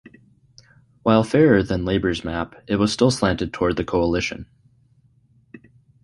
While fairer than Labor's map, it was still slanted toward the Coalition.